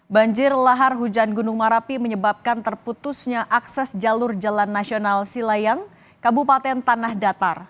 banjir lahar hujan gunung merapi menyebabkan terputusnya akses jalur jalan nasional silayang kabupaten tanah datar